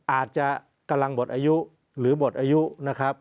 อาจจะกำลังหมดอายุหรือหมดอายุนะครับ